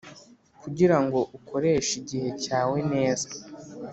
Kugira ngo ukoreshe igihe cyawe neza